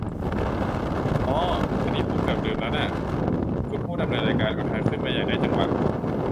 "อ๋อ อันนี้ผมเกือบลืมแล้วน่ะ" คุณผู้ดำเนินรายการ อุทานขึ้นมาอย่างได้จังหวะ